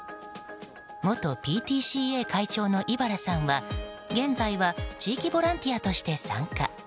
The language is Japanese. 元ＰＴＣＡ会長の茨さんは現在は地域ボランティアとして参加。